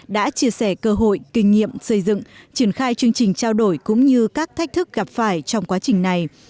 đã chia sẻ cơ hội kinh nghiệm xây dựng triển khai chương trình trao đổi cũng như các thách thức gặp phải trong quá trình này